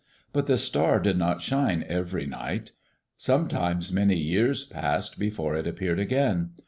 But the star did not shine every night. Sometimes many years passed before it appeared again.